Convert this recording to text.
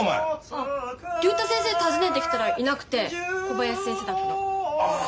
ああ竜太先生訪ねてきたらいなくて小林先生だったの。